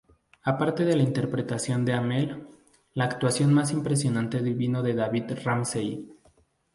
Aparte de la interpretación de Amell, la actuación más impresionante vino de David Ramsey.